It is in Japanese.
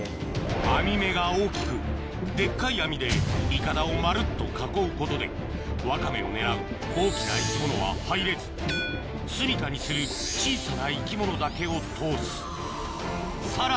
網目が大きくデッカい網でイカダを丸っと囲うことでワカメを狙う大きな生き物は入れずすみかにする小さな生き物だけを通す